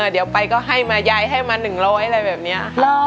เดี๋ยวไปก็ให้มายายให้มา๑๐๐อะไรแบบนี้